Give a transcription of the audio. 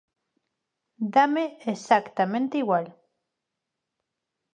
Dáme exactamente igual.